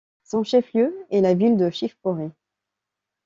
Son chef-lieu est la ville de Shivpuri.